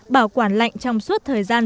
bảo quản lạnh trong suốt thời gian